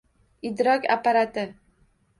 Idrok apparati